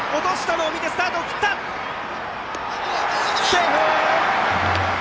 セーフ！